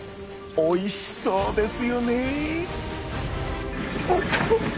おいしそうですよね！